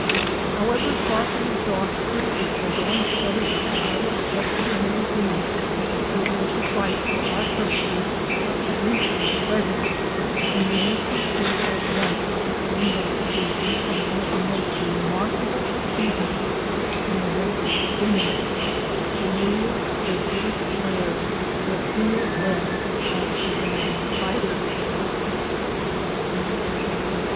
However far from exhaustive the foregoing study of spider structure may be it will suffice for our purposes, at least for the present, and we may proceed at once to an investigation of one of the most remarkable achievements in the way of spinning—the familiar circular snare